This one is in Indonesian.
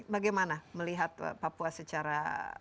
bagaimana melihat papua secara